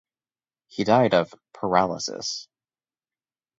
He died of "paralysis".